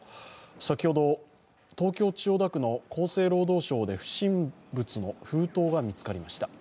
先ほど、東京・千代田区の厚生労働省で不審物の封筒が見つかりました。